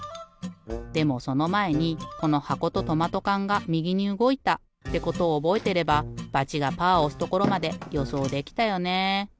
でもそのまえにこのはことトマトかんがみぎにうごいたってことをおぼえてればバチがパーをおすところまでよそうできたよね。